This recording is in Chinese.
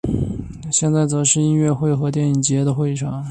现在则是音乐会和电影节的会场。